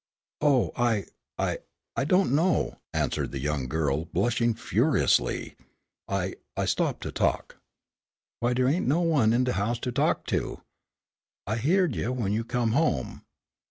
"Oh, I I I don't know," answered the young girl, blushing furiously, "I I stopped to talk." "Why dey ain no one in de house to talk to. I hyeahed you w'en you come home.